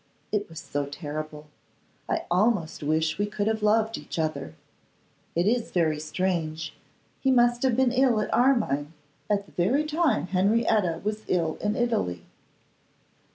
It was so terrible. I almost wish we could have loved each other. It is very strange, he must have been ill at Armine, at the very time Henrietta was ill in Italy.